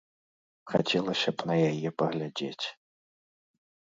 Хацелася б на яе паглядзець.